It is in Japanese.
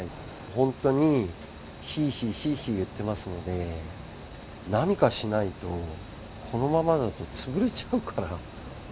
本当に、ひーひーひーひー言ってますので、何かしないと、このままだとつぶれちゃうから。